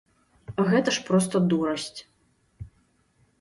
Гэта ж проста дурасць.